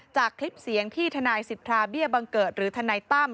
คลิปเสียงที่ทนายสิทธาเบี้ยบังเกิดหรือทนายตั้ม